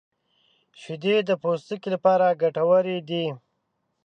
• شیدې د پوستکي لپاره ګټورې دي.